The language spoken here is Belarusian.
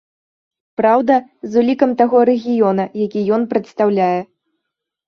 Праўда, з улікам таго рэгіёна, які ён прадстаўляе.